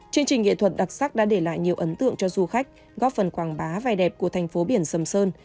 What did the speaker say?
chương trình nghệ thuật đặc sắc đã để lại nhiều ấn tượng cho du khách góp phần quảng bá vẻ đẹp của thành phố biển sầm sơn